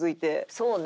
そうね。